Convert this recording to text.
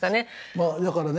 まあだからね